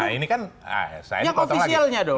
yang ofisialnya dong